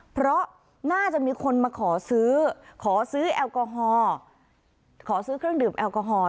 เพราะน่าจะมีคนมาขอซื้อขอซื้อแอลกอฮอล์ขอซื้อเครื่องดื่มแอลกอฮอล